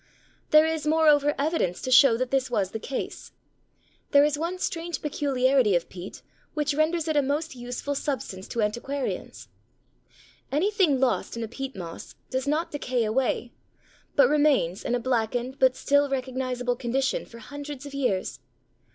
There is, moreover, evidence to show that this was the case. There is one strange peculiarity of peat which renders it a most useful substance to antiquarians. Anything lost in a peat moss does not decay away, but remains in a blackened but still recognizable condition for hundreds of years.